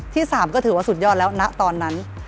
๓ก็ถือว่าสุดยอดแล้วนะตอนนั้น